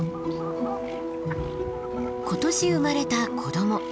今年生まれた子ども。